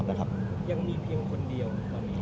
หมอบรรยาหมอบรรยา